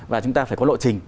và chúng ta phải có lộ trình